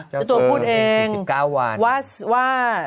เจ้าตัวพูดเองว่า